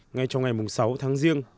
ngay trong ngày sáu tháng riêng